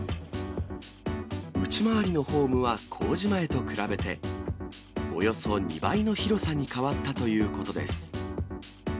内回りのホームは工事前と比べて、およそ２倍の広さに変わったということです。